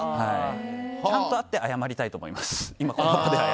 ちゃんと会って謝りたいと思います。